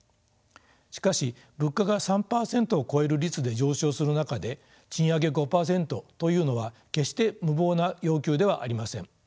しかし物価が３％を超える率で上昇する中で賃上げ５％というのは決して無謀な要求ではありません。